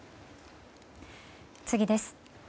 次です。